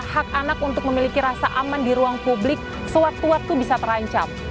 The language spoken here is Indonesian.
hak anak untuk memiliki rasa aman di ruang publik sewaktu waktu bisa terancam